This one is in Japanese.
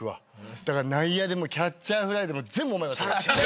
だから内野でもキャッチャーフライでも全部お前が捕れ。